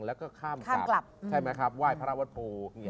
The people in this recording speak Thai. แล้วก็ข้ามกลับใช่ไหมครับว่ายพระอาวัตโป